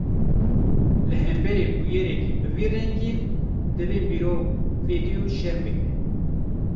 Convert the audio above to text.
Li hemberî bûyereke bi vî rengî, divê mirov fedî û şerm bike